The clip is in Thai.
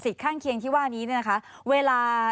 ข้างเคียงที่ว่านี้เนี่ยนะคะเวลา